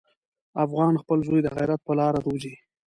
افغان خپل زوی د غیرت په لاره روزي.